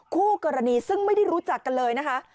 คู่กรณีซึ่งไม่ได้รู้จักกันเลยนะคะ